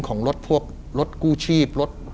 ของรถพวกรถกู้ชีพรถ